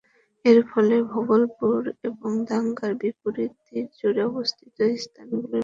এর ফলে ভাগলপুর এবং গঙ্গার বিপরীত তীর জুড়ে অবস্থিত স্থানগুলি মধ্যে সড়ক দূরত্ব যথেষ্ট পরিমাণে হ্রাস পেয়েছে।